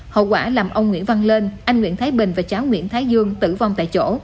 hậu quả làm ông nguyễn văn lên anh nguyễn thái bình và cháu nguyễn thái dương tử vong tại chỗ